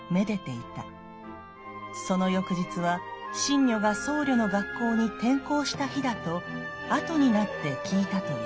その翌日は信如が僧侶の学校に転校した日だと後になって聞いたという」。